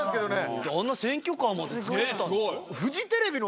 あんな選挙カーまで作ったの？